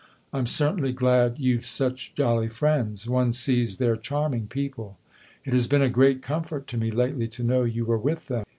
" I'm certainly glad you've such jolly friends one sees they're charming people. It has been a great comfort to me lately to know you were with them."